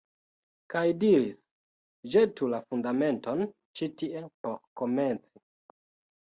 Kaj diris «Ĵetu la Fundamenton ĉi tie por komenci».